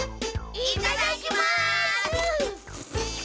いただきます！